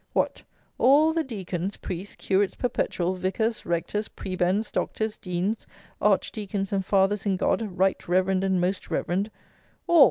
What! all the deacons, priests, curates perpetual, vicars, rectors, prebends, doctors, deans, archdeacons and fathers in God, right reverend and most reverend; all!